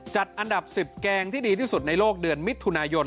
จัดอันดับ๑๐แกงที่ดีที่สุดในโลกเดือนมิถุนายน